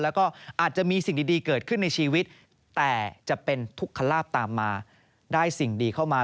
แล้วก็อาจจะมีสิ่งดีเกิดขึ้นในชีวิตแต่จะเป็นทุกขลาบตามมาได้สิ่งดีเข้ามา